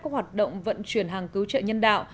các hoạt động vận chuyển hàng cứu trợ nhân đạo